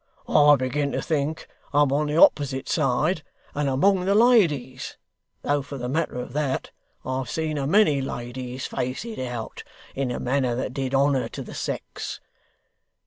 I begin to think I'm on the opposite side, and among the ladies; though for the matter of that, I've seen a many ladies face it out, in a manner that did honour to the sex.